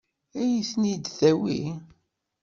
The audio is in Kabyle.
Ad iyi-ten-id-tawi?